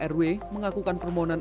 rw mengakukan permohonan